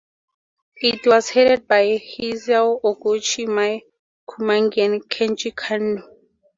It was headed by Hisao Oguchi, Mie Kumagai and Kenji Kanno.